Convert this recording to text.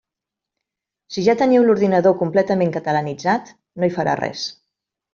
Si ja teniu l'ordinador completament catalanitzat, no hi farà res.